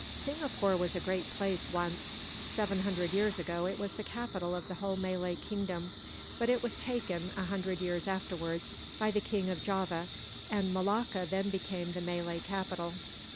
"Singapore was a great place, once. Seven hundred years ago it was the capital of the whole Malay kingdom; but it was taken, a hundred years afterwards, by the King of Java, and Malacca then became the Malay capital."